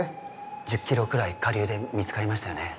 １０キロぐらい下流で見つかりましたよね